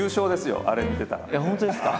本当ですか。